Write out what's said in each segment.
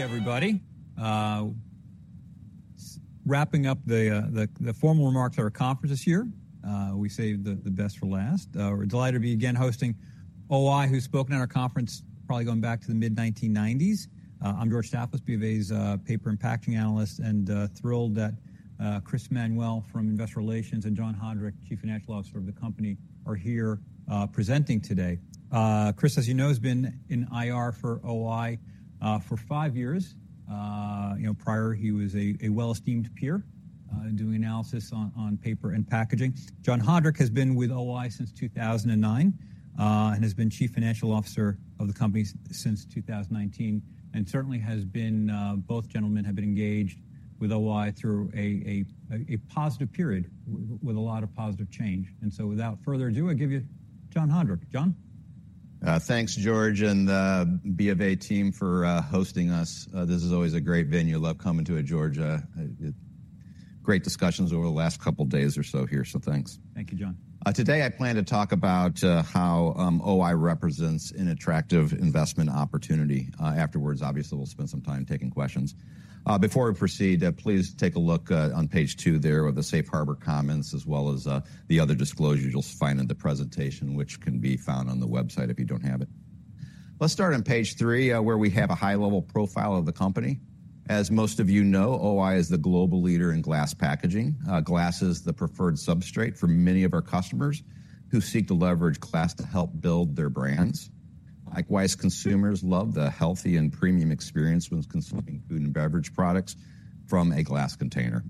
Everybody, wrapping up the formal remarks at our conference this year. We saved the best for last. We're delighted to be again hosting O-I, who's spoken at our conference probably going back to the mid-1990s. I'm George Staphos, B of A's paper and packaging analyst, and thrilled that Chris Manuel from Investor Relations and John Haudrich, Chief Financial Officer of the company, are here, presenting today. Chris, as you know, has been in IR for O-I for five years. You know, prior, he was a well-esteemed peer, doing analysis on paper and packaging. John Haudrich has been with O-I since 2009, and has been Chief Financial Officer of the company since 2019, and certainly has been, both gentlemen have been engaged with O-I through a positive period with a lot of positive change. And so without further ado, I give you John Haudrich. John? Thanks, George, and the B of A team for hosting us. This is always a great venue. Love coming to it, George. Great discussions over the last couple days or so here, so thanks. Thank you, John. Today I plan to talk about how O-I represents an attractive investment opportunity. Afterwards, obviously, we'll spend some time taking questions. Before we proceed, please take a look on page two there of the Safe Harbor Comments as well as the other disclosures you'll find in the presentation, which can be found on the website if you don't have it. Let's start on page three, where we have a high-level profile of the company. As most of you know, O-I is the global leader in glass packaging. Glass is the preferred substrate for many of our customers who seek to leverage glass to help build their brands. Likewise, consumers love the healthy and premium experience when consuming food and beverage products from a glass container.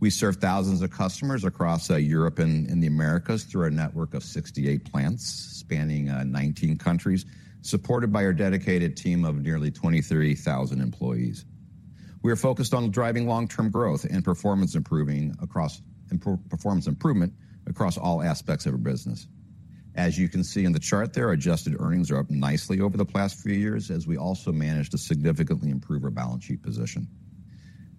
We serve thousands of customers across Europe and the Americas through our network of 68 plants spanning 19 countries, supported by our dedicated team of nearly 23,000 employees. We are focused on driving long-term growth and performance improvement across all aspects of our business. As you can see in the chart there, adjusted earnings are up nicely over the past few years as we also managed to significantly improve our balance sheet position.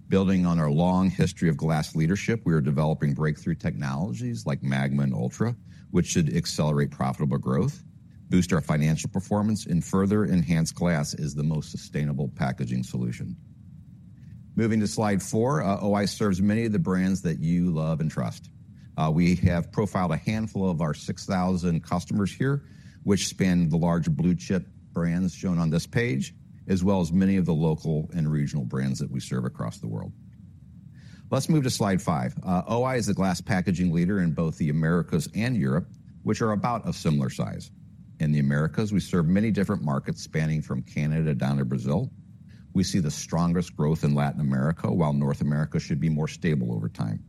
Building on our long history of glass leadership, we are developing breakthrough technologies like MAGMA and Ultra, which should accelerate profitable growth, boost our financial performance, and further enhance glass as the most sustainable packaging solution. Moving to slide 4, O-I serves many of the brands that you love and trust. We have profiled a handful of our 6,000 customers here, which span the large blue chip brands shown on this page, as well as many of the local and regional brands that we serve across the world. Let's move to slide 5. O-I is the glass packaging leader in both the Americas and Europe, which are about of similar size. In the Americas, we serve many different markets spanning from Canada down to Brazil. We see the strongest growth in Latin America, while North America should be more stable over time.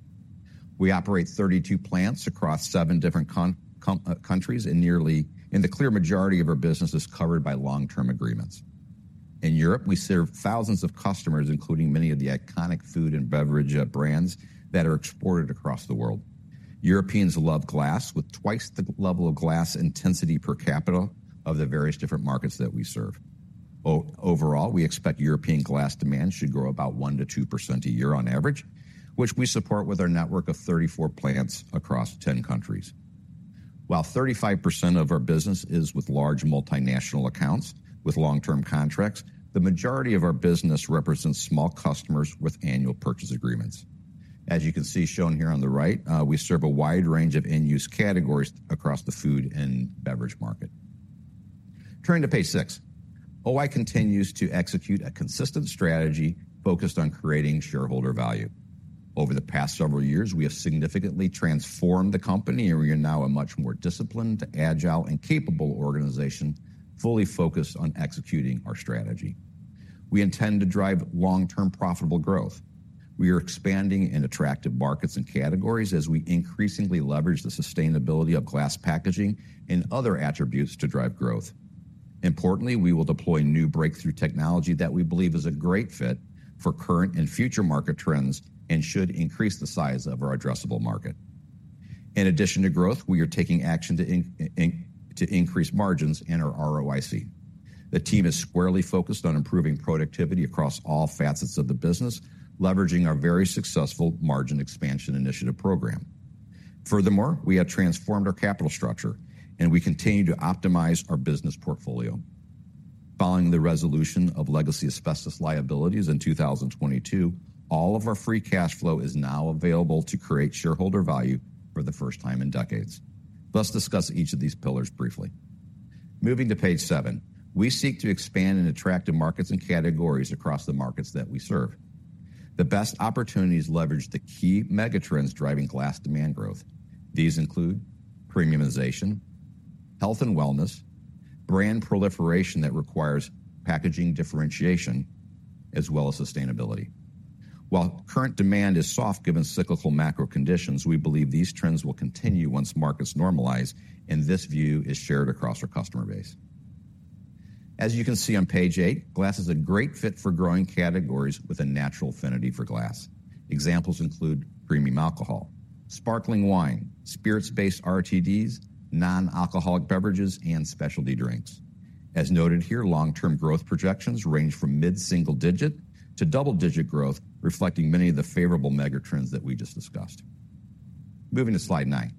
We operate 32 plants across 7 different countries in nearly the clear majority of our businesses covered by long-term agreements. In Europe, we serve thousands of customers, including many of the iconic food and beverage brands that are exported across the world. Europeans love glass with twice the level of glass intensity per capita of the various different markets that we serve. Overall, we expect European glass demand should grow about 1%-2% a year on average, which we support with our network of 34 plants across 10 countries. While 35% of our business is with large multinational accounts with long-term contracts, the majority of our business represents small customers with annual purchase agreements. As you can see shown here on the right, we serve a wide range of end-use categories across the food and beverage market. Turning to page 6, O-I continues to execute a consistent strategy focused on creating shareholder value. Over the past several years, we have significantly transformed the company, and we are now a much more disciplined, agile, and capable organization fully focused on executing our strategy. We intend to drive long-term profitable growth. We are expanding in attractive markets and categories as we increasingly leverage the sustainability of glass packaging and other attributes to drive growth. Importantly, we will deploy new breakthrough technology that we believe is a great fit for current and future market trends and should increase the size of our addressable market. In addition to growth, we are taking action to increase margins and our ROIC. The team is squarely focused on improving productivity across all facets of the business, leveraging our very successful Margin Expansion Initiative program. Furthermore, we have transformed our capital structure, and we continue to optimize our business portfolio. Following the resolution of legacy asbestos liabilities in 2022, all of our free cash flow is now available to create shareholder value for the first time in decades. Let's discuss each of these pillars briefly. Moving to page 7, we seek to expand in attractive markets and categories across the markets that we serve. The best opportunities leverage the key megatrends driving glass demand growth. These include premiumization, health and wellness, brand proliferation that requires packaging differentiation, as well as sustainability. While current demand is soft given cyclical macro conditions, we believe these trends will continue once markets normalize, and this view is shared across our customer base. As you can see on page 8, glass is a great fit for growing categories with a natural affinity for glass. Examples include creamy alcohol, sparkling wine, spirits-based RTDs, non-alcoholic beverages, and specialty drinks. As noted here, long-term growth projections range from mid-single digit to double-digit growth, reflecting many of the favorable megatrends that we just discussed. Moving to slide 9,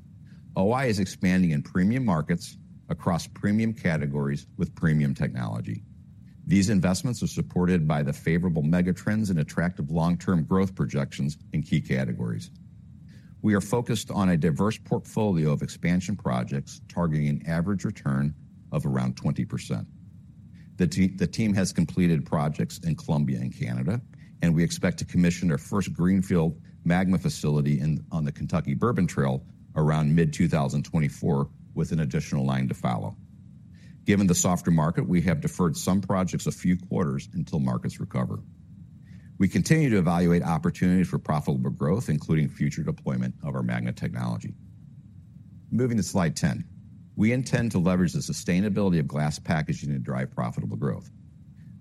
O-I is expanding in premium markets across premium categories with premium technology. These investments are supported by the favorable megatrends and attractive long-term growth projections in key categories. We are focused on a diverse portfolio of expansion projects targeting an average return of around 20%. The team has completed projects in Colombia and Canada, and we expect to commission our first greenfield MAGMA facility on the Kentucky Bourbon Trail around mid-2024 with an additional line to follow. Given the softer market, we have deferred some projects a few quarters until markets recover. We continue to evaluate opportunities for profitable growth, including future deployment of our MAGMA technology. Moving to slide 10, we intend to leverage the sustainability of glass packaging to drive profitable growth.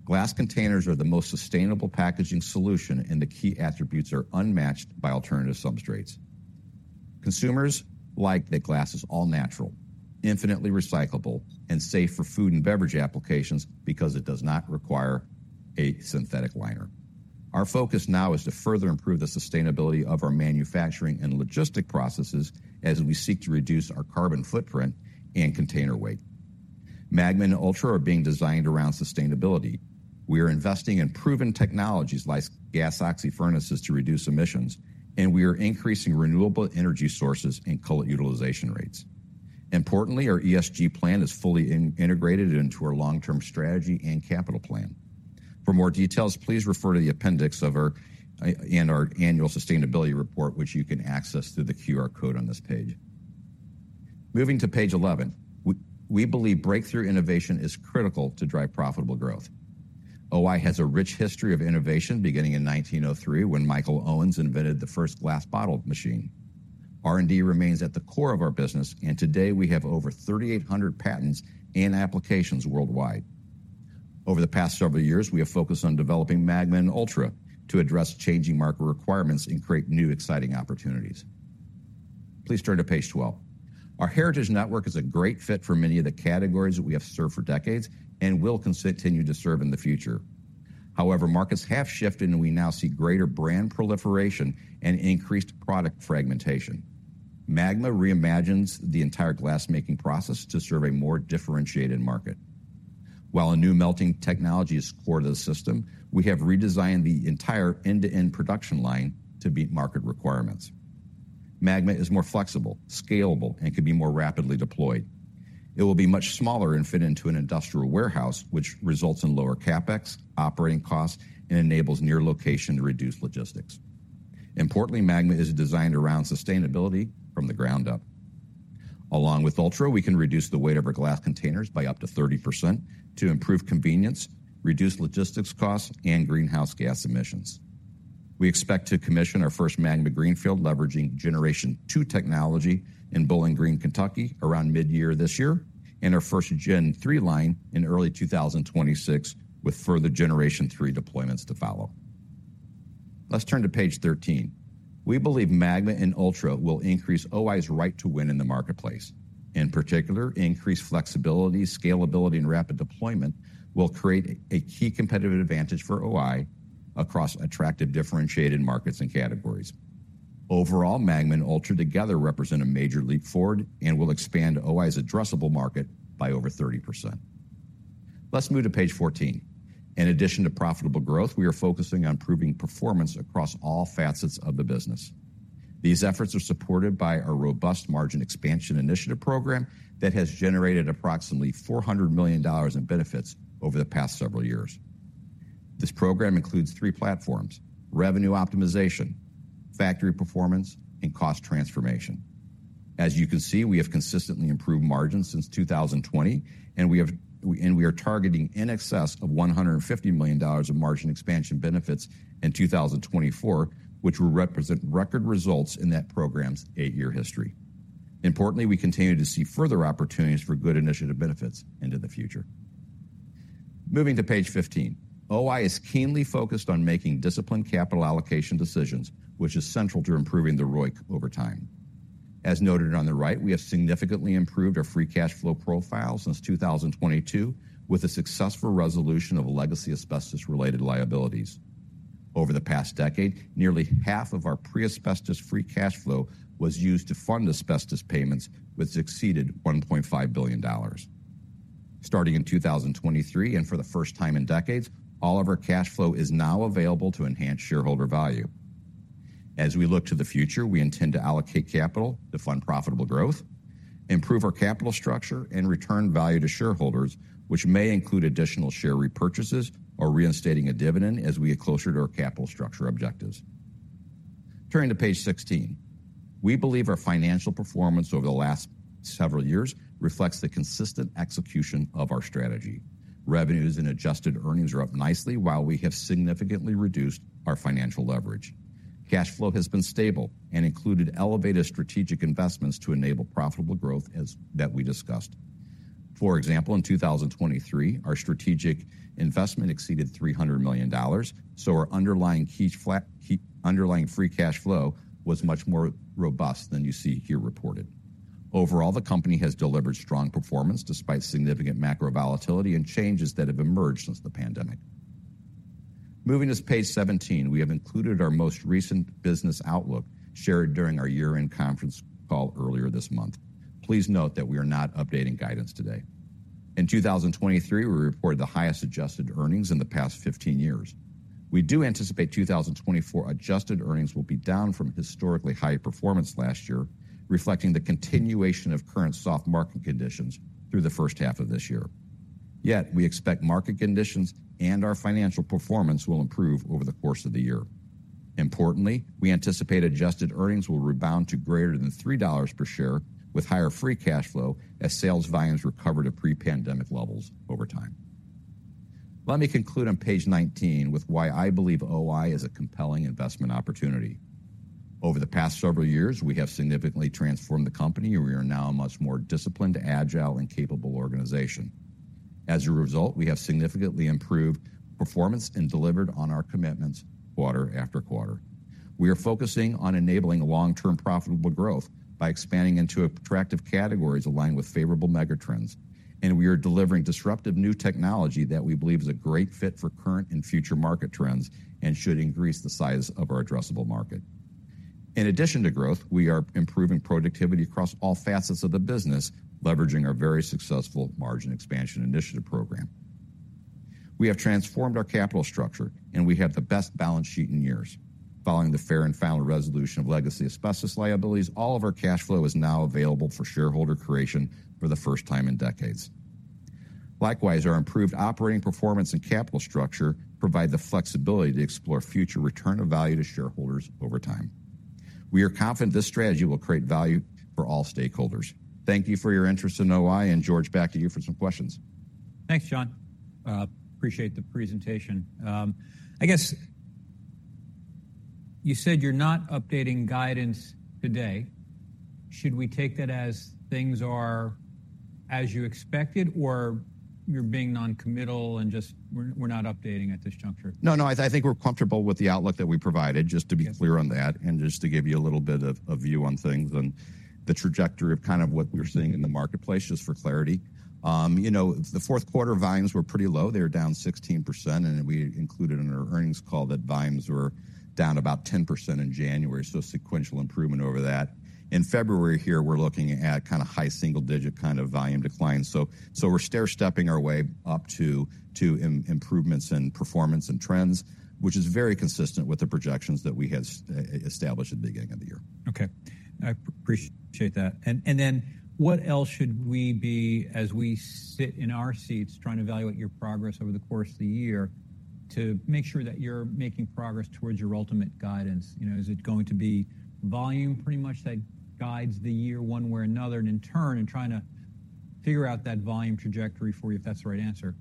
Glass containers are the most sustainable packaging solution, and the key attributes are unmatched by alternative substrates. Consumers like that glass is all-natural, infinitely recyclable, and safe for food and beverage applications because it does not require a synthetic liner. Our focus now is to further improve the sustainability of our manufacturing and logistics processes as we seek to reduce our carbon footprint and container weight. MAGMA and Ultra are being designed around sustainability. We are investing in proven technologies like gas-oxy furnaces to reduce emissions, and we are increasing renewable energy sources and cullet utilization rates. Importantly, our ESG plan is fully integrated into our long-term strategy and capital plan. For more details, please refer to the appendix of our IR and our annual sustainability report, which you can access through the QR code on this page. Moving to page 11, we believe breakthrough innovation is critical to drive profitable growth. O-I has a rich history of innovation beginning in 1903 when Michael Owens invented the first glass bottle machine. R&D remains at the core of our business, and today we have over 3,800 patents and applications worldwide. Over the past several years, we have focused on developing MAGMA and Ultra to address changing market requirements and create new exciting opportunities. Please turn to page 12. Our heritage network is a great fit for many of the categories that we have served for decades and will continue to serve in the future. However, markets have shifted, and we now see greater brand proliferation and increased product fragmentation. MAGMA reimagines the entire glass-making process to serve a more differentiated market. While a new melting technology is core to the system, we have redesigned the entire end-to-end production line to meet market requirements. MAGMA is more flexible, scalable, and can be more rapidly deployed. It will be much smaller and fit into an industrial warehouse, which results in lower Capex, operating costs, and enables near-location reduced logistics. Importantly, MAGMA is designed around sustainability from the ground up. Along with Ultra, we can reduce the weight of our glass containers by up to 30% to improve convenience, reduce logistics costs, and greenhouse gas emissions. We expect to commission our first MAGMA greenfield, leveraging Generation 2 technology in Bowling Green, Kentucky, around mid-year this year, and our first Gen 3 line in early 2026 with further Generation 3 deployments to follow. Let's turn to page 13. We believe MAGMA and Ultra will increase O-I's right to win in the marketplace. In particular, increased flexibility, scalability, and rapid deployment will create a key competitive advantage for O-I across attractive differentiated markets and categories. Overall, MAGMA and Ultra together represent a major leap forward and will expand O-I's addressable market by over 30%. Let's move to page 14. In addition to profitable growth, we are focusing on proving performance across all facets of the business. These efforts are supported by our robust Margin Expansion Initiative program that has generated approximately $400 million in benefits over the past several years. This program includes 3 platforms: revenue optimization, factory performance, and cost transformation. As you can see, we have consistently improved margins since 2020, and we are targeting in excess of $150 million in margin expansion benefits in 2024, which will represent record results in that program's 8-year history. Importantly, we continue to see further opportunities for good initiative benefits into the future. Moving to page 15, O-I is keenly focused on making disciplined capital allocation decisions, which is central to improving the ROIC over time. As noted on the right, we have significantly improved our free cash flow profile since 2022 with a successful resolution of legacy asbestos-related liabilities. Over the past decade, nearly half of our pre-asbestos free cash flow was used to fund asbestos payments, which exceeded $1.5 billion. Starting in 2023 and for the first time in decades, all of our cash flow is now available to enhance shareholder value. As we look to the future, we intend to allocate capital to fund profitable growth, improve our capital structure, and return value to shareholders, which may include additional share repurchases or reinstating a dividend as we get closer to our capital structure objectives. Turning to page 16, we believe our financial performance over the last several years reflects the consistent execution of our strategy. Revenues and adjusted earnings are up nicely while we have significantly reduced our financial leverage. Cash flow has been stable and included elevated strategic investments to enable profitable growth as that we discussed. For example, in 2023, our strategic investment exceeded $300 million, so our underlying key underlying free cash flow was much more robust than you see here reported. Overall, the company has delivered strong performance despite significant macro volatility and changes that have emerged since the pandemic. Moving to page 17, we have included our most recent business outlook shared during our year-end conference call earlier this month. Please note that we are not updating guidance today. In 2023, we reported the highest adjusted earnings in the past 15 years. We do anticipate 2024 adjusted earnings will be down from historically high performance last year, reflecting the continuation of current soft market conditions through the first half of this year. Yet, we expect market conditions and our financial performance will improve over the course of the year. Importantly, we anticipate adjusted earnings will rebound to greater than $3 per share with higher free cash flow as sales volumes recover to pre-pandemic levels over time. Let me conclude on page 19 with why I believe O-I is a compelling investment opportunity. Over the past several years, we have significantly transformed the company, and we are now a much more disciplined, agile, and capable organization. As a result, we have significantly improved performance and delivered on our commitments quarter after quarter. We are focusing on enabling long-term profitable growth by expanding into attractive categories aligned with favorable megatrends, and we are delivering disruptive new technology that we believe is a great fit for current and future market trends and should increase the size of our addressable market. In addition to growth, we are improving productivity across all facets of the business, leveraging our very successful Margin Expansion Initiative program. We have transformed our capital structure, and we have the best balance sheet in years. Following the fair and final resolution of legacy asbestos liabilities, all of our cash flow is now available for shareholder creation for the first time in decades. Likewise, our improved operating performance and capital structure provide the flexibility to explore future return of value to shareholders over time. We are confident this strategy will create value for all stakeholders. Thank you for your interest in O-I, and George, back to you for some questions. Thanks, John. Appreciate the presentation. I guess you said you're not updating guidance today. Should we take that as things are as you expected, or you're being noncommittal and just we're not updating at this juncture? No, no. I think we're comfortable with the outlook that we provided, just to be clear on that and just to give you a little bit of a view on things and the trajectory of kind of what we're seeing in the marketplace, just for clarity. You know, the fourth quarter volumes were pretty low. They were down 16%, and we included in our earnings call that volumes were down about 10% in January, so sequential improvement over that. In February here, we're looking at kind of high single-digit kind of volume decline. So, so we're stair-stepping our way up to improvements in performance and trends, which is very consistent with the projections that we had established at the beginning of the year. Okay. I appreciate that. And then what else should we be as we sit in our seats trying to evaluate your progress over the course of the year to make sure that you're making progress towards your ultimate guidance? You know, is it going to be volume pretty much that guides the year one way or another, and in turn, trying to figure out that volume trajectory for you, if that's the right answer?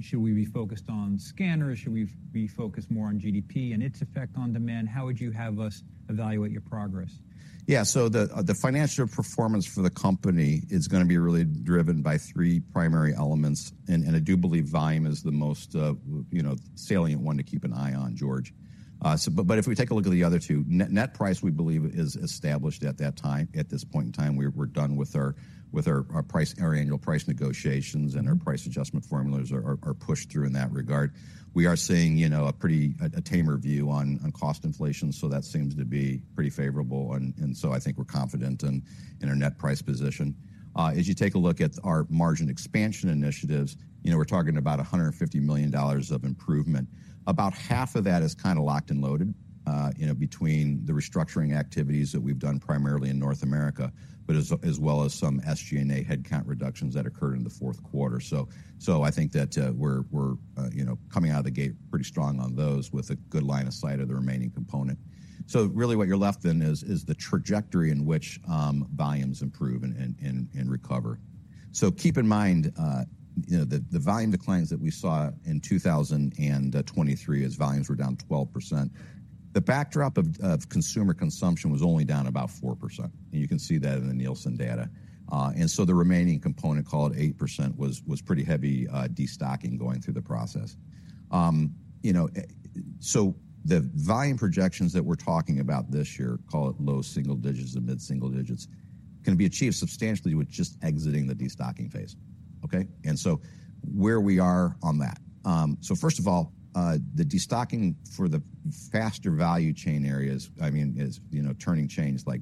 Should we be focused on scanners? Should we be focused more on GDP and its effect on demand? How would you have us evaluate your progress? Yeah. So the financial performance for the company is going to be really driven by three primary elements, and I do believe volume is the most, you know, salient one to keep an eye on, George. But if we take a look at the other two, net price, we believe, is established at that time. At this point in time, we're done with our annual price negotiations, and our price adjustment formulas are pushed through in that regard. We are seeing, you know, a pretty tamer view on cost inflation, so that seems to be pretty favorable, and so I think we're confident in our net price position. As you take a look at our margin expansion initiatives, you know, we're talking about $150 million of improvement. About half of that is kind of locked and loaded, you know, between the restructuring activities that we've done primarily in North America as well as some SG&A headcount reductions that occurred in the fourth quarter. So I think that we're, you know, coming out of the gate pretty strong on those with a good line of sight of the remaining component. So really, what you're left with is the trajectory in which volumes improve and recover. So keep in mind, you know, the volume declines that we saw in 2023 as volumes were down 12%, the backdrop of consumer consumption was only down about 4%, and you can see that in the Nielsen data. And so the remaining component, call it 8%, was pretty heavy destocking going through the process. You know, so the volume projections that we're talking about this year, call it low single digits to mid-single digits, can be achieved substantially with just exiting the destocking phase, okay? And so where we are on that. So first of all, the destocking for the faster value chain areas, I mean, as you know, turning chains like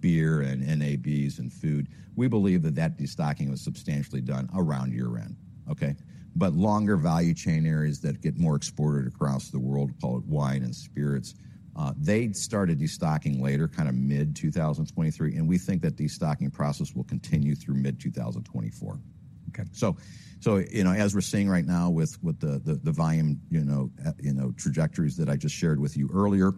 beer and NABs and food, we believe that that destocking was substantially done around year-end, okay? But longer value chain areas that get more exported across the world, call it wine and spirits, they started destocking later, kind of mid-2023, and we think that destocking process will continue through mid-2024. So you know, as we're seeing right now with the volume, you know, trajectories that I just shared with you earlier,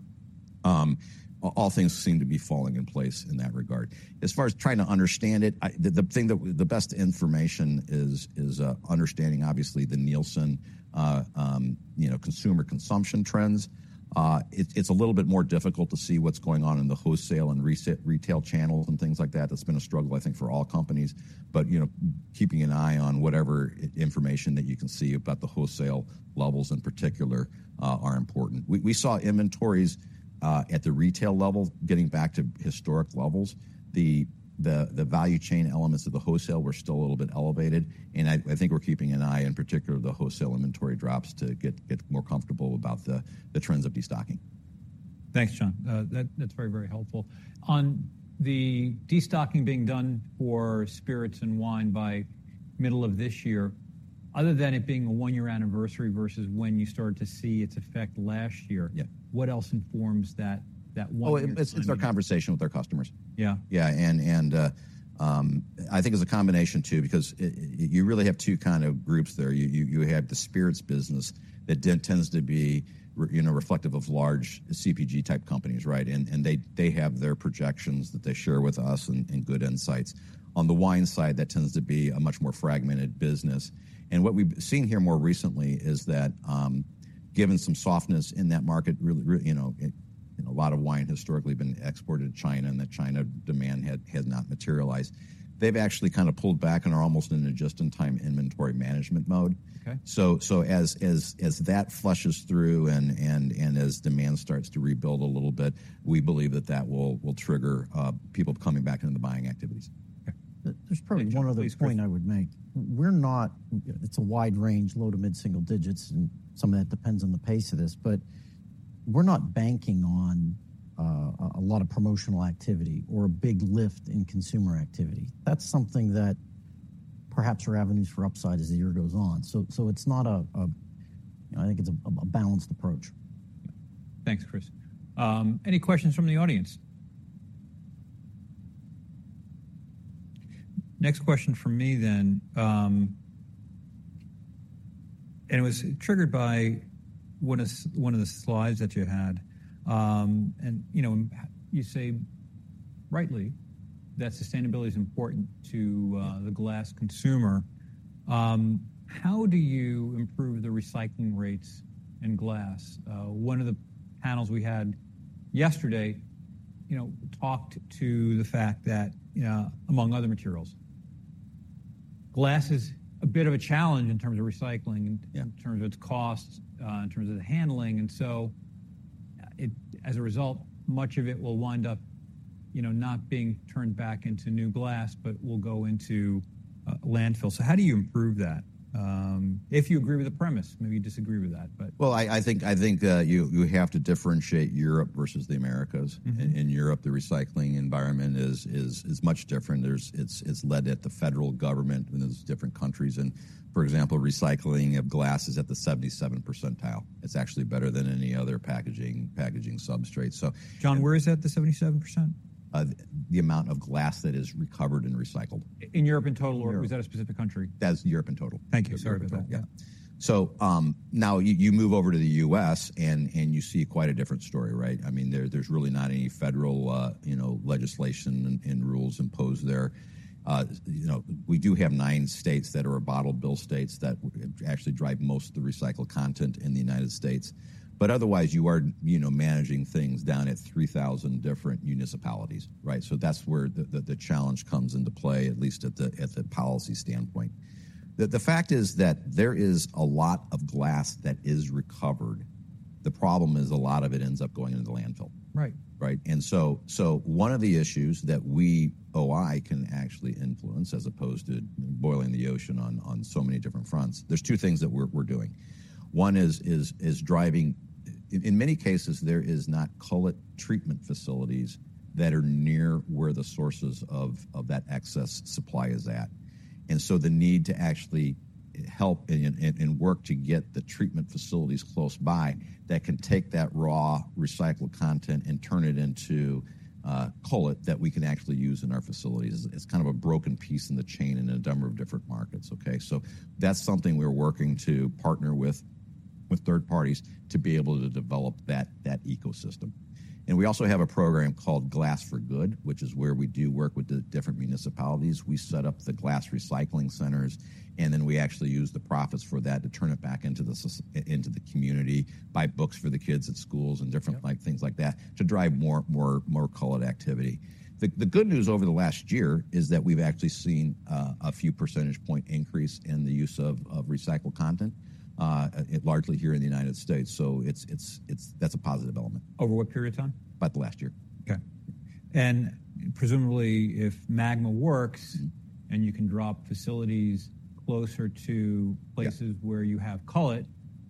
all things seem to be falling in place in that regard. As far as trying to understand it, the thing that the best information is understanding, obviously, the Nielsen, you know, consumer consumption trends. It's a little bit more difficult to see what's going on in the wholesale and retail channels and things like that. That's been a struggle, I think, for all companies. But you know, keeping an eye on whatever information that you can see about the wholesale levels in particular are important. We saw inventories at the retail level getting back to historic levels. The value chain elements of the wholesale were still a little bit elevated, and I think we're keeping an eye in particular to the wholesale inventory drops to get more comfortable about the trends of destocking. Thanks, John. That's very, very helpful. On the destocking being done for spirits and wine by middle of this year, other than it being a one-year anniversary versus when you started to see its effect last year, what else informs that one-year? Oh, it's our conversation with our customers. Yeah. Yeah. And I think it's a combination too because you really have two kind of groups there. You have the spirits business that tends to be, you know, reflective of large CPG-type companies, right? And they have their projections that they share with us and good insights. On the wine side, that tends to be a much more fragmented business. And what we've seen here more recently is that, given some softness in that market, you know, a lot of wine historically has been exported to China, and that China demand had not materialized, they've actually kind of pulled back and are almost in a just-in-time inventory management mode. So as that flushes through and as demand starts to rebuild a little bit, we believe that that will trigger people coming back into the buying activities. There's probably one other point I would make. We're not, it's a wide range, low to mid-single digits, and some of that depends on the pace of this, but we're not banking on a lot of promotional activity or a big lift in consumer activity. That's something that perhaps our avenues for upside as the year goes on. So it's not a, I think it's a balanced approach. Thanks, Chris. Any questions from the audience? Next question from me then, and it was triggered by one of the slides that you had. You know, you say rightly that sustainability is important to the glass consumer. How do you improve the recycling rates in glass? One of the panels we had yesterday, you know, talked to the fact that, among other materials, glass is a bit of a challenge in terms of recycling and in terms of its costs, in terms of the handling, and so as a result, much of it will wind up, you know, not being turned back into new glass but will go into landfill. So how do you improve that? If you agree with the premise, maybe you disagree with that, but. Well, I think you have to differentiate Europe versus the Americas. In Europe, the recycling environment is much different. It's led at the federal government in those different countries. For example, recycling of glass is at the 77th percentile. It's actually better than any other packaging substrate. So. John, where is that, the 77th percent? The amount of glass that is recovered and recycled. In Europe in total, or is that a specific country? That's Europe in total. Thank you. Sorry about that. Yeah. So now you move over to the U.S., and you see quite a different story, right? I mean, there's really not any federal, you know, legislation and rules imposed there. You know, we do have 9 states that are bottle bill states that actually drive most of the recycled content in the United States. But otherwise, you are, you know, managing things down at 3,000 different municipalities, right? So that's where the challenge comes into play, at least at the policy standpoint. The fact is that there is a lot of glass that is recovered. The problem is a lot of it ends up going into the landfill. Right. Right? And so one of the issues that we, O-I, can actually influence as opposed to boiling the ocean on so many different fronts, there's two things that we're doing. One is driving in many cases, there is not, call it, treatment facilities that are near where the sources of that excess supply is at. And so the need to actually help and work to get the treatment facilities close by that can take that raw recycled content and turn it into, call it, that we can actually use in our facilities. It's kind of a broken piece in the chain in a number of different markets, okay? So that's something we're working to partner with third parties to be able to develop that ecosystem. And we also have a program called Glass for Good, which is where we do work with the different municipalities. We set up the glass recycling centers, and then we actually use the profits for that to turn it back into the community by books for the kids at schools and different things like that to drive more call it activity. The good news over the last year is that we've actually seen a few percentage point increase in the use of recycled content, largely here in the United States. So that's a positive element. Over what period of time? About the last year. Okay. And presumably, if MAGMA works and you can drop facilities closer to places where you have, call it,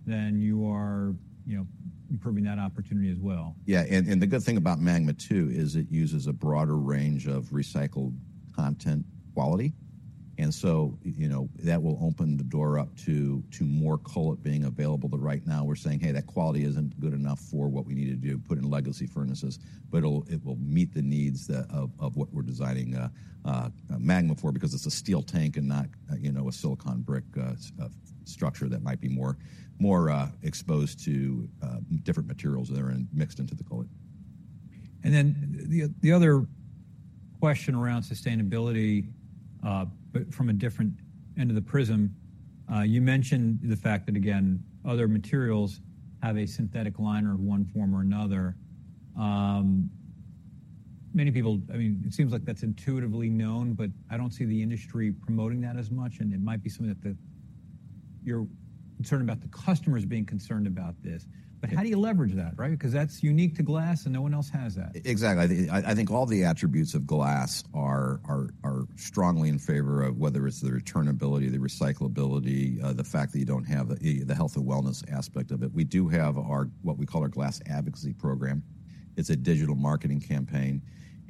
then you are, you know, improving that opportunity as well. Yeah. And the good thing about MAGMA too is it uses a broader range of recycled content quality. And so, you know, that will open the door up to more cullet being available. Right now, we're saying, "Hey, that quality isn't good enough for what we need to do, put in legacy furnaces," but it will meet the needs of what we're designing MAGMA for because it's a steel tank and not, you know, a silica brick structure that might be more exposed to different materials that are mixed into the cullet. And then the other question around sustainability, but from a different end of the prism, you mentioned the fact that, again, other materials have a synthetic liner of one form or another. Many people, I mean, it seems like that's intuitively known, but I don't see the industry promoting that as much, and it might be something that you're concerned about, the customers being concerned about this. But how do you leverage that, right? Because that's unique to glass, and no one else has that. Exactly. I think all the attributes of glass are strongly in favor of whether it's the returnability, the recyclability, the fact that you don't have the health and wellness aspect of it. We do have what we call our Glass Advocacy Program. It's a digital marketing campaign,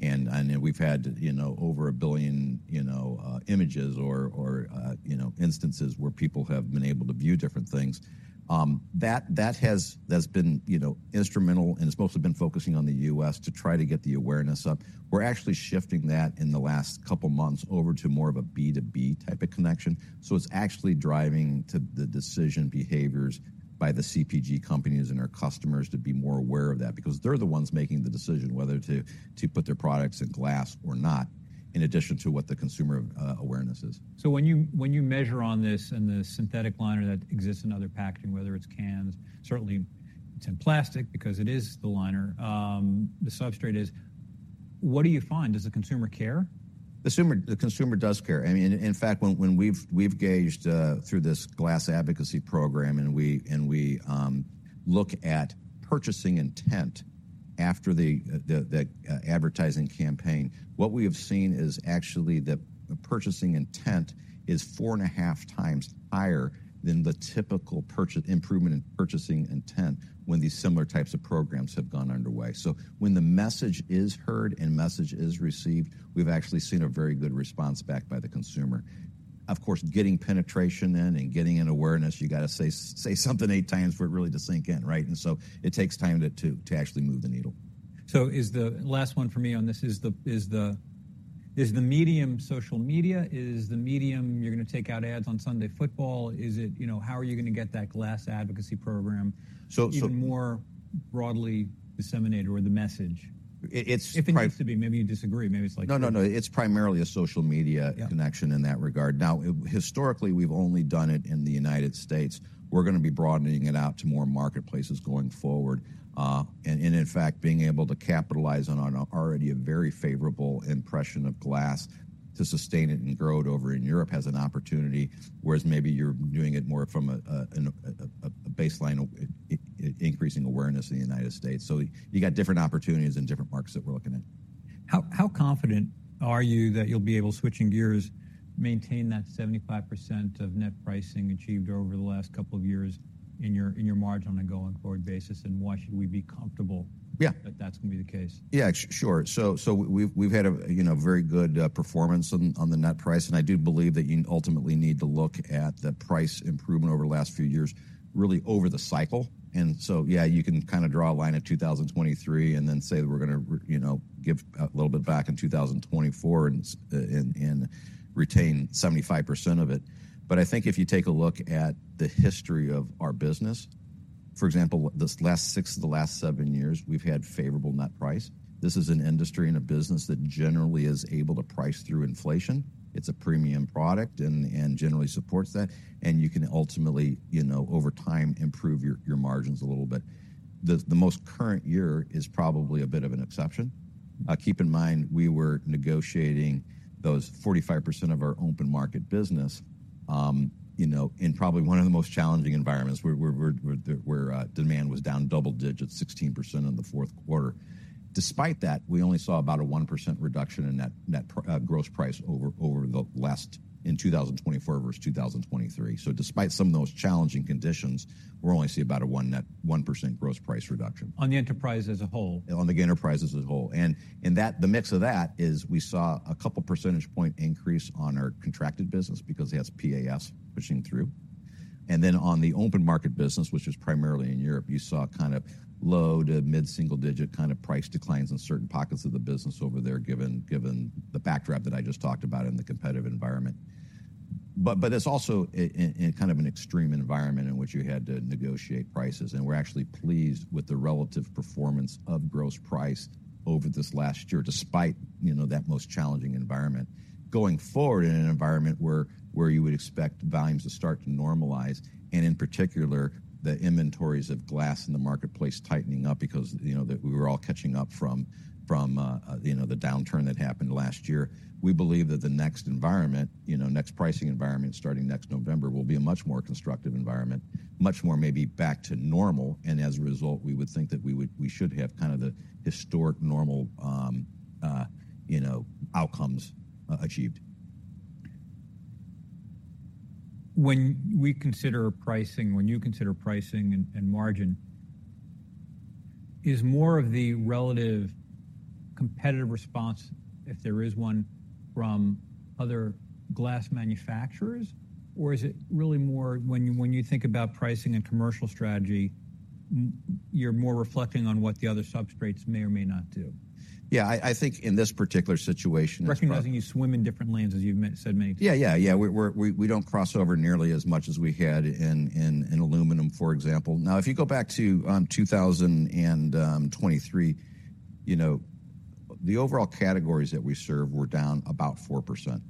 and we've had, you know, over 1 billion, you know, images or, you know, instances where people have been able to view different things. That has been, you know, instrumental, and it's mostly been focusing on the US to try to get the awareness up. We're actually shifting that in the last couple of months over to more of a B2B type of connection. So it's actually driving the decision behaviors by the CPG companies and our customers to be more aware of that because they're the ones making the decision whether to put their products in glass or not in addition to what the consumer awareness is. So when you measure on this and the synthetic liner that exists in other packaging, whether it's cans, certainly it's in plastic because it is the liner, the substrate is, what do you find? Does the consumer care? The consumer does care. I mean, in fact, when we've gauged through this Glass Advocacy Program and we look at purchasing intent after the advertising campaign, what we have seen is actually that purchasing intent is 4.5 times higher than the typical improvement in purchasing intent when these similar types of programs have gone underway. So when the message is heard and message is received, we've actually seen a very good response back by the consumer. Of course, getting penetration in and getting an awareness, you got to say something 8 times for it really to sink in, right? And so it takes time to actually move the needle. So is the last one for me on this is the medium social media? Is the medium you're going to take out ads on Sunday football? Is it, you know, how are you going to get that Glass Advocacy Program even more broadly disseminated or the message? It's private. If it needs to be. Maybe you disagree. Maybe it's like. No, no, no. It's primarily a social media connection in that regard. Now, historically, we've only done it in the United States. We're going to be broadening it out to more marketplaces going forward. And in fact, being able to capitalize on an already very favorable impression of glass to sustain it and grow it over in Europe has an opportunity, whereas maybe you're doing it more from a baseline increasing awareness in the United States. So you got different opportunities in different markets that we're looking at. How confident are you that you'll be able, switching gears, to maintain that 75% of net pricing achieved over the last couple of years in your margin on a going forward basis, and why should we be comfortable that that's going to be the case? Yeah. Sure. So we've had a very good performance on the net price, and I do believe that you ultimately need to look at the price improvement over the last few years really over the cycle. And so, yeah, you can kind of draw a line at 2023 and then say that we're going to give a little bit back in 2024 and retain 75% of it. But I think if you take a look at the history of our business, for example, the last six of the last seven years, we've had favorable net price. This is an industry and a business that generally is able to price through inflation. It's a premium product and generally supports that. You can ultimately, over time, improve your margins a little bit. The most current year is probably a bit of an exception. Keep in mind, we were negotiating those 45% of our open market business, you know, in probably one of the most challenging environments where demand was down double digits, 16% in the fourth quarter. Despite that, we only saw about a 1% reduction in net gross price over the last in 2024 versus 2023. So despite some of those challenging conditions, we'll only see about a 1% gross price reduction. On the enterprise as a whole? On the enterprises as a whole. And the mix of that is we saw a couple of percentage point increase on our contracted business because it has PAFs pushing through. And then on the open market business, which is primarily in Europe, you saw kind of low- to mid-single-digit kind of price declines in certain pockets of the business over there given the backdrop that I just talked about in the competitive environment. But it's also kind of an extreme environment in which you had to negotiate prices. And we're actually pleased with the relative performance of gross price over this last year despite, you know, that most challenging environment. Going forward, in an environment where you would expect volumes to start to normalize and in particular the inventories of glass in the marketplace tightening up because, you know, we were all catching up from, you know, the downturn that happened last year, we believe that the next environment, you know, next pricing environment starting next November will be a much more constructive environment, much more maybe back to normal. And as a result, we would think that we should have kind of the historic normal, you know, outcomes achieved. When we consider pricing, when you consider pricing and margin, is more of the relative competitive response, if there is one, from other glass manufacturers, or is it really more when you think about pricing and commercial strategy, you're more reflecting on what the other substrates may or may not do? Yeah. I think in this particular situation. Recognizing you swim in different lanes, as you've said many times. Yeah, yeah, yeah. We don't cross over nearly as much as we had in aluminum, for example. Now, if you go back to 2023, you know, the overall categories that we serve were down about 4%.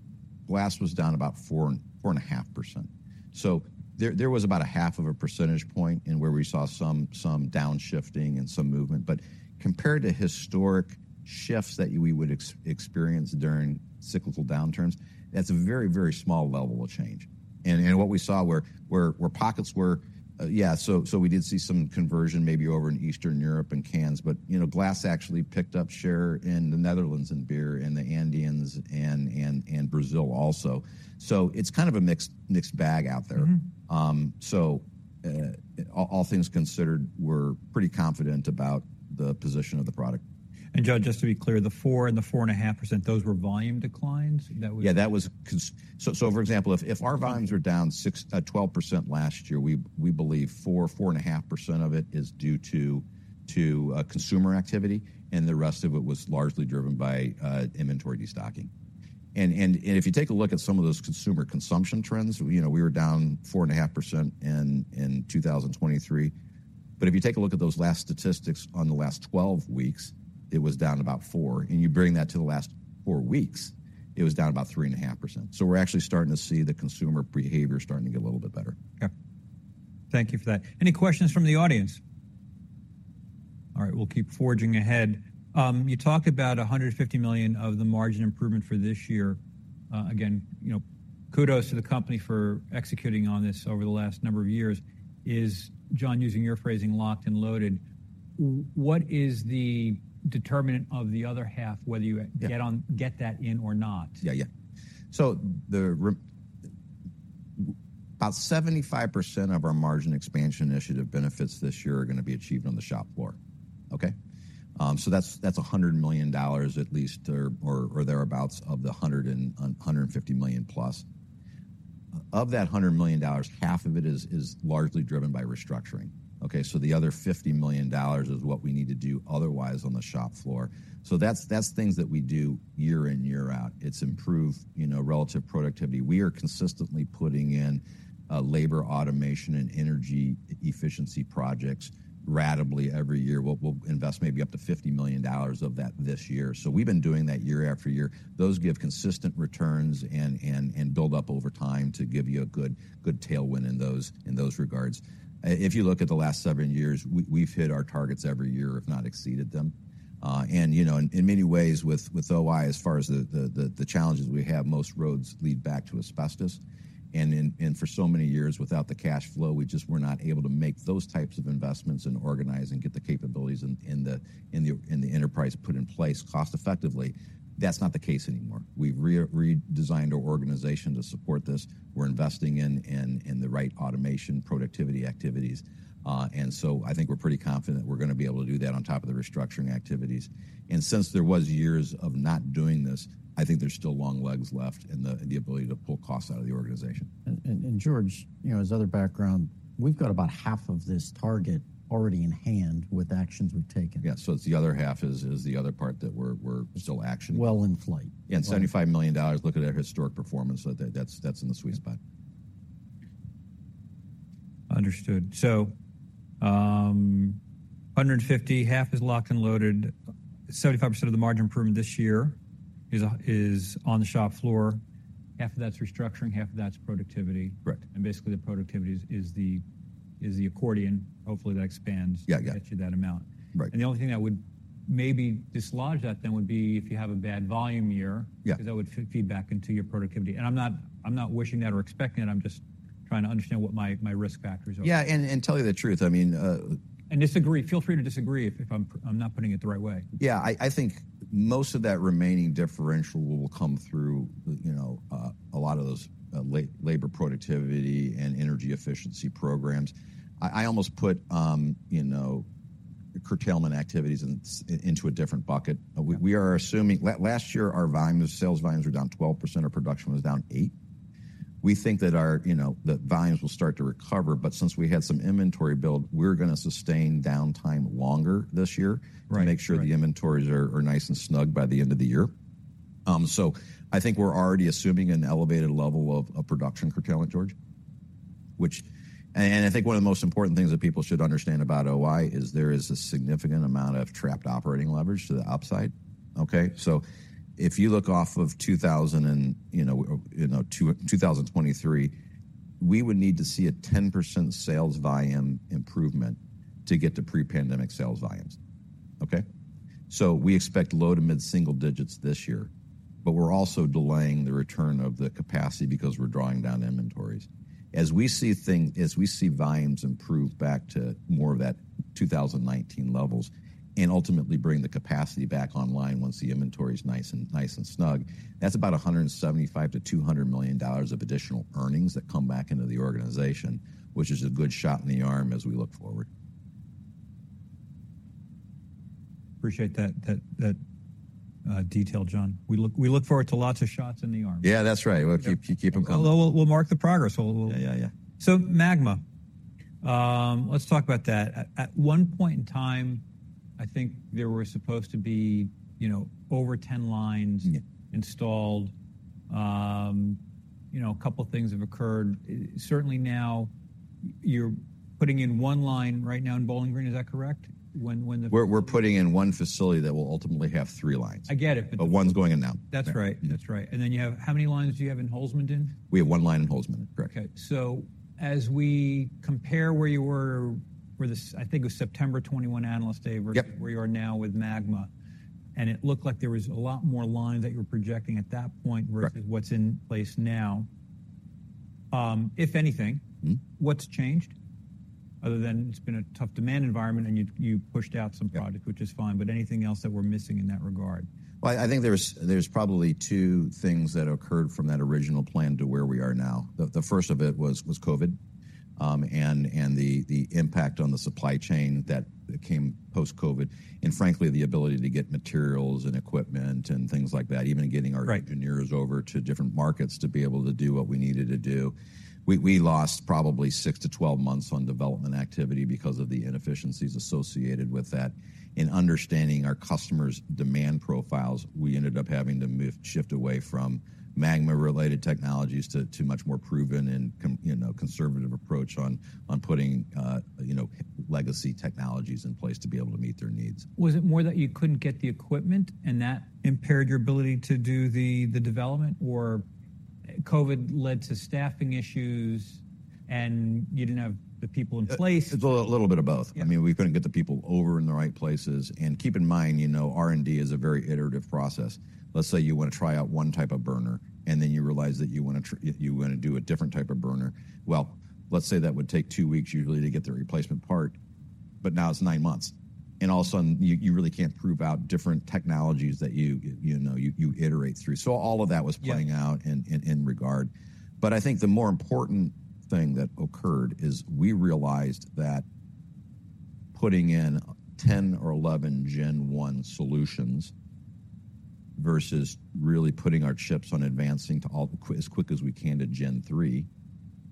Glass was down about 4.5%. So there was about 0.5 percentage point in where we saw some downshifting and some movement. But compared to historic shifts that we would experience during cyclical downturns, that's a very, very small level of change. And what we saw where pockets were, yeah, so we did see some conversion maybe over in Eastern Europe and cans, but, you know, glass actually picked up share in the Netherlands and beer and the Andes and Brazil also. So it's kind of a mixed bag out there. So all things considered, we're pretty confident about the position of the product. And John, just to be clear, the 4% and the 4.5%, those were volume declines? That was. Yeah. So for example, if our volumes were down 12% last year, we believe 4%-4.5% of it is due to consumer activity, and the rest of it was largely driven by inventory destocking. And if you take a look at some of those consumer consumption trends, you know, we were down 4.5% in 2023. But if you take a look at those last statistics on the last 12 weeks, it was down about 4%. And you bring that to the last 4 weeks, it was down about 3.5%. So we're actually starting to see the consumer behavior starting to get a little bit better. Okay. Thank you for that. Any questions from the audience? All right. We'll keep forging ahead. You talked about $150 million of the margin improvement for this year. Again, you know, kudos to the company for executing on this over the last number of years. Is John, using your phrasing, locked and loaded? What is the determinant of the other half, whether you get that in or not? Yeah, yeah. So about 75% of our Margin Expansion Initiative benefits this year are going to be achieved on the shop floor, okay? So that's $100 million at least or thereabouts of the $150 million plus. Of that $100 million, half of it is largely driven by restructuring, okay? So the other $50 million is what we need to do otherwise on the shop floor. So that's things that we do year in, year out. It's improved, you know, relative productivity. We are consistently putting in labor automation and energy efficiency projects radically every year. We'll invest maybe up to $50 million of that this year. So we've been doing that year after year. Those give consistent returns and build up over time to give you a good tailwind in those regards. If you look at the last seven years, we've hit our targets every year, if not exceeded them. And, you know, in many ways, with OI, as far as the challenges we have, most roads lead back to asbestos. And for so many years, without the cash flow, we just were not able to make those types of investments and organize and get the capabilities in the enterprise put in place cost-effectively. That's not the case anymore. We've redesigned our organization to support this. We're investing in the right automation productivity activities. I think we're pretty confident that we're going to be able to do that on top of the restructuring activities. And since there were years of not doing this, I think there's still long legs left and the ability to pull costs out of the organization. And George, you know, as other background, we've got about half of this target already in hand with actions we've taken. Yeah. So the other half is the other part that we're still actioning. Well, in flight. Yeah. And $75 million, looking at our historic performance, that's in the sweet spot. Understood. So $150 million, half is locked and loaded, 75% of the margin improvement this year is on the shop floor. Half of that's restructuring, half of that's productivity. Correct. And basically, the productivity is the accordion. Hopefully, that expands, gets you that amount. Right. The only thing that would maybe dislodge that then would be if you have a bad volume year because that would feed back into your productivity. I'm not wishing that or expecting that. I'm just trying to understand what my risk factors are. Yeah. And to tell you the truth. I mean. And disagree. Feel free to disagree if I'm not putting it the right way. Yeah. I think most of that remaining differential will come through, you know, a lot of those labor productivity and energy efficiency programs. I almost put, you know, curtailment activities into a different bucket. We are assuming last year, our volumes, sales volumes were down 12%. Our production was down 8%. We think that our, you know, the volumes will start to recover. But since we had some inventory build, we're going to sustain downtime longer this year to make sure the inventories are nice and snug by the end of the year. So I think we're already assuming an elevated level of production curtailment, George, and I think one of the most important things that people should understand about OI is there is a significant amount of trapped operating leverage to the upside, okay? So if you look off of 2020 and, you know, 2023, we would need to see a 10% sales volume improvement to get to pre-pandemic sales volumes, okay? So we expect low- to mid-single digits this year. But we're also delaying the return of the capacity because we're drawing down inventories. As we see volumes improve back to more of that 2019 levels and ultimately bring the capacity back online once the inventory is nice and snug, that's about $175 million-$200 million of additional earnings that come back into the organization, which is a good shot in thearm as we look forward. Appreciate that detail, John. We look forward to lots of shots in the arm. Yeah. That's right. We'll keep them coming. We'll mark the progress. Yeah, yeah, yeah. So MAGMA. Let's talk about that. At one point in time, I think there were supposed to be, you know, over 10 lines installed. You know, a couple of things have occurred. Certainly now, you're putting in one line right now in Bowling Green. Is that correct? When the. We're putting in one facility that will ultimately have three lines. I get it. But the. But one's going in now. That's right. That's right. And then you have how many lines do you have in Holzminden? We have one line in Holzminden. Correct. Okay. So as we compare where you were, I think it was September 2021 analyst day versus where you are now with MAGMA, and it looked like there was a lot more lines that you were projecting at that point versus what's in place now, if anything, what's changed other than it's been a tough demand environment and you pushed out some product, which is fine? But anything else that we're missing in that regard? Well, I think there's probably two things that occurred from that original plan to where we are now. The first of it was COVID and the impact on the supply chain that came post-COVID. And frankly, the ability to get materials and equipment and things like that, even getting our engineers over to different markets to be able to do what we needed to do. We lost probably 6-12 months on development activity because of the inefficiencies associated with that. In understanding our customers' demand profiles, we ended up having to shift away from MAGMA-related technologies to a much more proven and conservative approach on putting, you know, legacy technologies in place to be able to meet their needs. Was it more that you couldn't get the equipment and that impaired your ability to do the development, or COVID led to staffing issues and you didn't have the people in place? It's a little bit of both. I mean, we couldn't get the people over in the right places. And keep in mind, you know, R&D is a very iterative process. Let's say you want to try out one type of burner and then you realize that you want to do a different type of burner. Well, let's say that would take two weeks usually to get the replacement part. But now it's nine months. And all of a sudden, you really can't prove out different technologies that you iterate through. So all of that was playing out in regard. But I think the more important thing that occurred is we realized that putting in 10 or 11 Gen 1 solutions versus really putting our chips on advancing as quick as we can to Gen 3,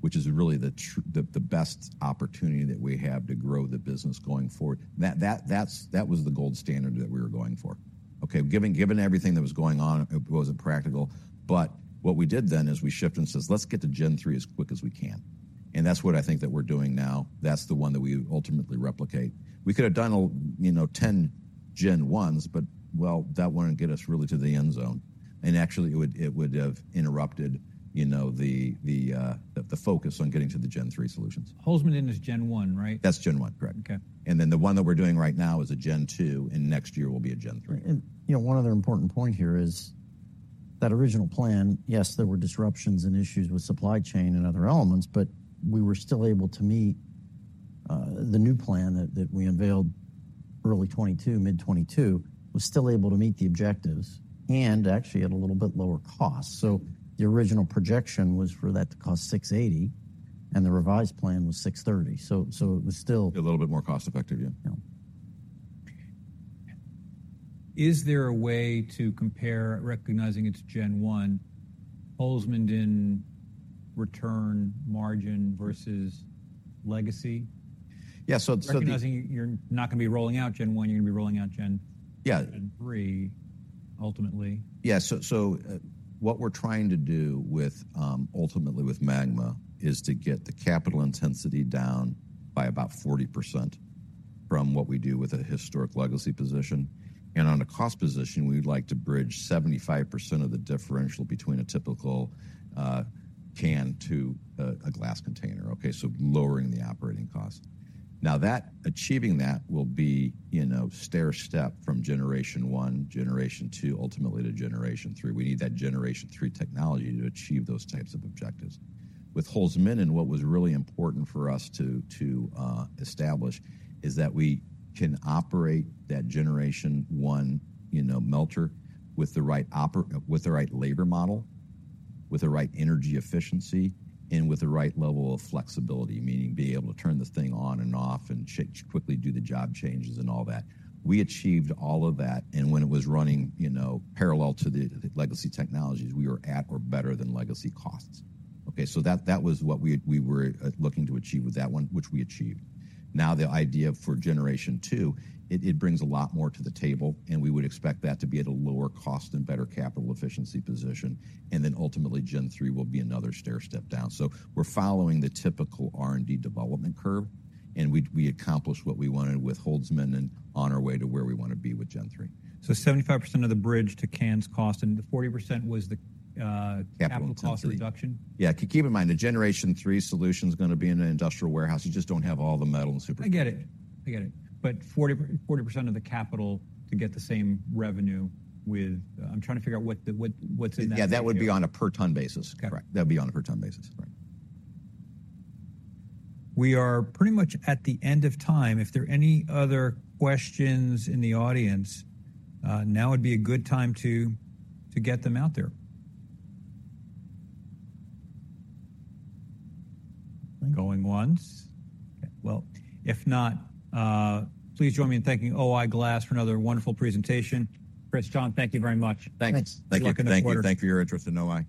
which is really the best opportunity that we have to grow the business going forward, that was the gold standard that we were going for, okay? Given everything that was going on, it wasn't practical. What we did then is we shifted and said, "Let's get to Gen 3 as quick as we can." And that's what I think that we're doing now. That's the one that we ultimately replicate. We could have done, you know, 10 Gen 1s, but, well, that wouldn't get us really to the end zone. And actually, it would have interrupted, you know, the focus on getting to the Gen 3 solutions. Holzminden is Gen 1, right? That's Gen 1. Correct. Okay. And then the one that we're doing right now is a Gen 2, and next year will be a Gen 3. And, you know, one other important point here is that original plan, yes, there were disruptions and issues with supply chain and other elements, but we were still able to meet the new plan that we unveiled early 2022, mid 2022, was still able to meet the objectives and actually at a little bit lower cost. So the original projection was for that to cost $680, and the revised plan was $630. So it was still a little bit more cost-effective, yeah. Yeah. Is there a way to compare, recognizing it's Gen 1, Holzminden return margin versus legacy? Yeah. So the recognizing you're not going to be rolling out Gen 1, you're going to be rolling out Gen 3 ultimately. Yeah. So what we're trying to do ultimately with Magma is to get the capital intensity down by about 40% from what we do with a historic legacy position. On a cost position, we'd like to bridge 75% of the differential between a typical can to a glass container, okay? So lowering the operating cost. Now, achieving that will be a stair step from Generation 1, Generation 2, ultimately to Generation 3. We need that Generation 3 technology to achieve those types of objectives. With Holzminden, what was really important for us to establish is that we can operate that Generation 1, you know, melter with the right labor model, with the right energy efficiency, and with the right level of flexibility, meaning be able to turn the thing on and off and quickly do the job changes and all that. We achieved all of that. And when it was running, you know, parallel to the legacy technologies, we were at or better than legacy costs, okay? So that was what we were looking to achieve with that one, which we achieved. Now, the idea for Generation 2, it brings a lot more to the table, and we would expect that to be at a lower cost and better capital efficiency position. And then ultimately, Gen 3 will be another stair step down. So we're following the typical R&D development curve, and we accomplished what we wanted with Holzminden on our way to where we want to be with Gen 3. So 75% of the bridge to cans cost, and the 40% was the capital cost reduction? Capital reduction. Yeah. Keep in mind, the Generation 3 solution is going to be in an industrial warehouse. You just don't have all the metal and superstructure. I get it. I get it. But 40% of the capital to get the same revenue with. I'm trying to figure out what's in that. Yeah. That would be on a per-ton basis. Correct. That would be on a per-ton basis. Correct. We are pretty much at the end of time. If there are any other questions in the audience, now would be a good time to get them out there. Going once. Okay. Well, if not, please join me in thanking O-I Glass for another wonderful presentation. Chris, John, thank you very much. Thanks. Thank you. Thank you for your interest in O-I.